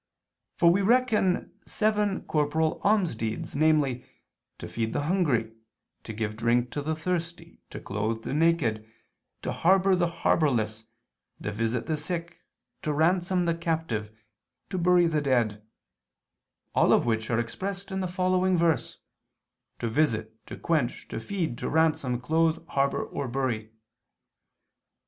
For we reckon seven corporal almsdeeds, namely, to feed the hungry, to give drink to the thirsty, to clothe the naked, to harbor the harborless, to visit the sick, to ransom the captive, to bury the dead; all of which are expressed in the following verse: "To visit, to quench, to feed, to ransom, clothe, harbor or bury."